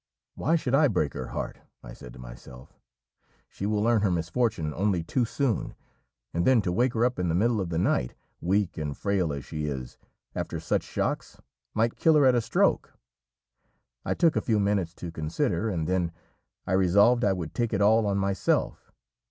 'Why should I break her heart?' I said to myself, 'She will learn her misfortune only too soon; and then to wake her up in the middle of the night, weak and frail as she is, after such shocks, might kill her at a stroke.' I took a few minutes to consider, and then I resolved I would take it all on myself.